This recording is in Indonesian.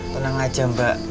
tenang aja mbak